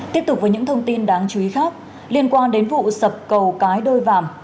tiếp tục với những thông tin đáng chú ý khác liên quan đến vụ sập cầu cái đôi vàm